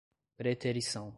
preterição